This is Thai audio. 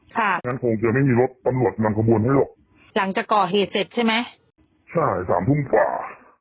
เพราะฉะนั้นคงจะไม่มีรถตำรวจนำขบวนให้ลูกหลังจากก่อเหตุเสร็จใช่ไหมใช่สามทุ่มกว่า